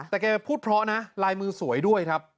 แต่แกพูดเพราะนะลายมือสวยด้วยครับ